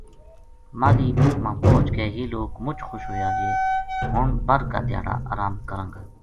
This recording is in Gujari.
ماہلی ما پوہچ کے یہ لوک مُچ خوش ہویا جے ہن بر کا دھیاڑا ارام کراں گا